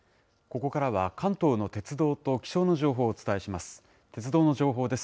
ここからは、関東の鉄道と気象の情報をお伝えします。